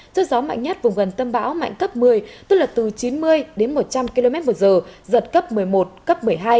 sức gió mạnh nhất vùng gần tâm bão mạnh cấp một mươi tức là từ chín mươi đến một trăm linh km một giờ giật cấp một mươi một cấp một mươi hai